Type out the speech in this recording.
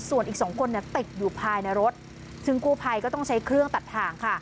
ส่วนอีกสองคนเนี่ยติดอยู่ภายในรถซึ่งกู้ภัยก็ต้องใช้เครื่องตัดถ่างค่ะ